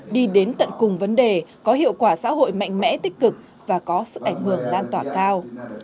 đi đến tận cùng vấn đề có hiệu quả xã hội mạnh mẽ tích cực và có sức ảnh hưởng lan tỏa cao